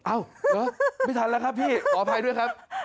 เหรอไม่ทันแล้วครับพี่ขออภัยด้วยครับ